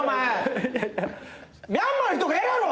ミャンマーの人がやるやろ！